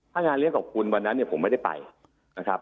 ถ้างานเลี้ยงกับคุณวันนั้นเนี่ยผมไม่ได้ไปนะครับ